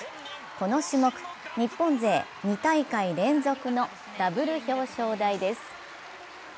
この種目、日本勢２大会連続のダブル表彰台です。